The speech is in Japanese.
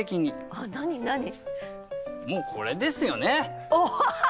もうこれですよね。